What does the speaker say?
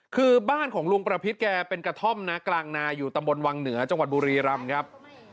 คือบ้านของลุงประพิษแกเป็นกระท่อมนะกลางนาอยู่ตำบลวังเหนือจังหวัดบุรีรำครับ